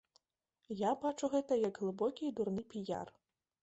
Я бачу гэта як глыбокі і дурны піяр.